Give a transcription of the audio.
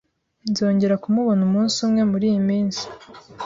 Nzongera kumubona umunsi umwe muriyi minsi